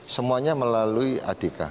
semuanya melalui adika